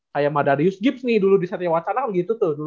kayak madarius gibbs nih dulu di seri satu kan kan gitu tuh